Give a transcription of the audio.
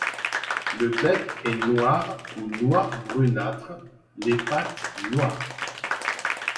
Le bec est noir ou noir brunâtre, les pattes noires.